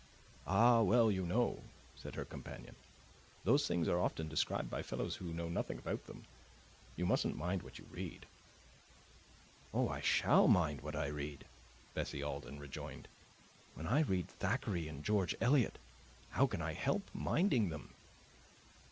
"Ah well, you know," said her companion, "those things are often described by fellows who know nothing about them. You mustn't mind what you read." "Oh, I SHALL mind what I read!" Bessie Alden rejoined. "When I read Thackeray and George Eliot, how can I help minding them?"